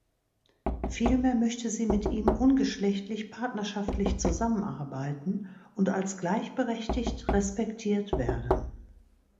Vielmehr möchte sie mit ihm ungeschlechtlich partnerschaftlich zusammenarbeiten und als gleichberechtigt respektiert werden.